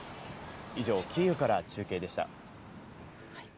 以上、キーウから中継でした。